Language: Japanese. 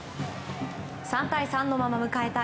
３対３のまま迎えた